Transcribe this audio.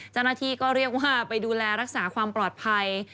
เจ้าหน้าที่ก็เรียกว่าไปดูแลรักษาความปลอดภัย